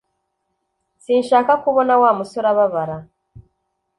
Sinshaka kubona Wa musore ababara